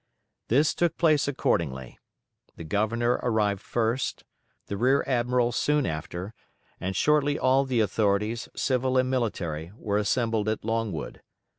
This took place accordingly: the Governor arrived first, the Rear Admiral soon after, and shortly all the authorities, civil and military, were assembled at Longwood.